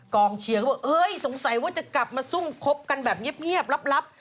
กองเชียร์ก็บอกเอ้ยสงสัยว่าจะกลับมาซุ่มคบกันแบบเงียบลับ